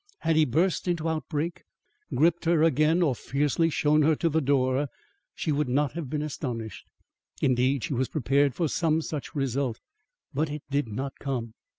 Had he burst into outbreak gripped her again or fiercely shown her the door, she would not have been astonished. Indeed, she was prepared for some such result, but it did not come.